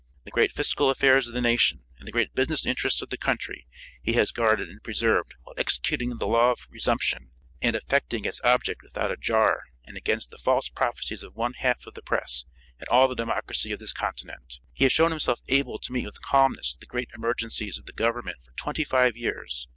The great fiscal affairs of the nation, and the great business interests of the country he has guarded and preserved while executing the law of resumption and effecting its object without a jar and against the false prophecies of one half of the press and all the Democracy of this continent. He has shown himself able to meet with calmness the great emergencies of the Government for twenty five years.